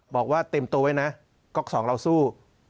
บอกว่าเตรียมตัวไว้นะก๊อกสองเราสู้